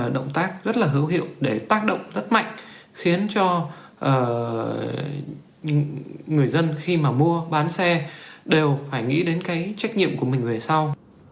động tác rất là hữu hiệu để tác động rất mạnh khiến cho người dân khi mà mua bán xe đều phải nghĩ đến cái trách nhiệm của mình về sau